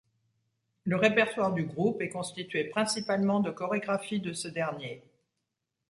Le répertoire du groupe est constitué principalement de chorégraphies de ce dernier.